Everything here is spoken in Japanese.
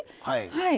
はい。